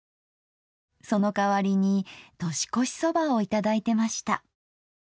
その代わりに年越しそばを頂いてました。